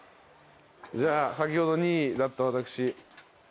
じゃあ先ほど２位だった私。